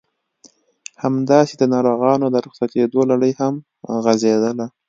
همداسې د ناروغانو د رخصتېدو لړۍ هم غزېدله.